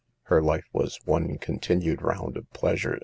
Her life was one con tinued round of pleasure.